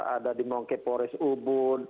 ada di mongkepores ubud